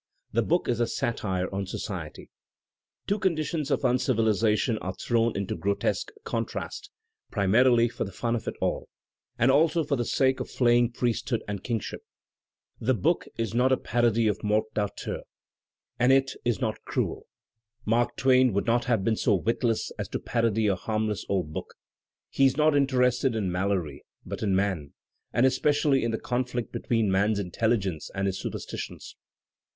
The book is a satire on society. Two conditions of uncivilization are thrown into grotesque contrast primarily for the fun of it all, and also for the sake of flaying priesthood and kingship. The book is not a "parody" of Morte d'Arthur," and it Digitized by Google 264 THE SPIRIT OF AMERICAN LITERATURE is not cruel. Mark Twain would not have been so witless as to parody a harmless old book; he is not interested in Malory, but in man, and especially in the conflict between man's inteUigence and his superstitions.